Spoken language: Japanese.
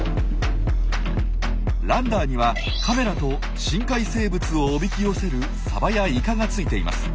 ランダーにはカメラと深海生物をおびき寄せるサバやイカがついています。